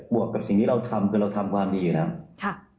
วกกับสิ่งที่เราทำคือเราทำความดีอยู่แล้ว